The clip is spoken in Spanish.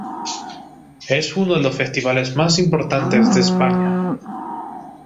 Es uno de los festivales más importantes de España.